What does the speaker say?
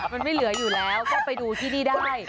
มันไม่เหลืออยู่แล้วก็ไปดูที่นี่ได้